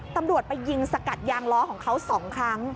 ตำรวจไปยิงสกัดยางล้อของเขา๒ครั้ง